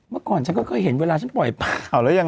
เมื่อก่อนฉันก็เคยเห็นเวลาฉันปล่อยเปล่าแล้วยัง